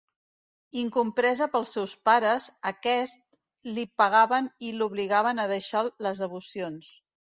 Incompresa pels seus pares, aquest li pegaven i l'obligaven a deixar les devocions.